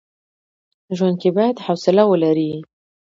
ژوند کي بايد حوصله ولري.